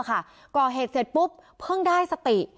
ก่อเหตุเสร็จปุ๊บเพิ่งได้สติ